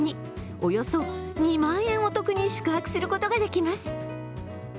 およそ２万円お得に宿泊することができます。